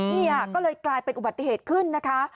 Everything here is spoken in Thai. นี่ค่ะก็เลยกลายเป็นอุบัติเหตุขึ้นนะคะ